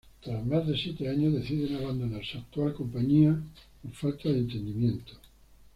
Tras más de siete años deciden abandonar su actual compañía por falta de entendimiento.